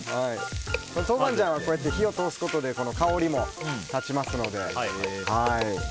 豆板醤は火を通すことで香りも立ちますので。